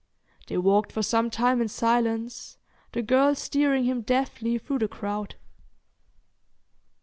They walked for some time in silence, the girl steering him deftly through the crowd.